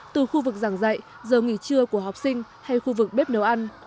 từ khu vực giảng dạy giờ nghỉ trưa của học sinh hay khu vực bếp nấu ăn